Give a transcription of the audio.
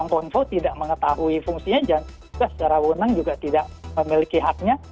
kominfo tidak mengetahui fungsinya dan juga secara wonang juga tidak memiliki haknya